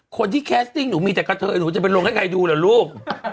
คนที่แคสติ้งหนูมีแต่กระเทยหนูจะไปลงให้ใครดูเหรอลูก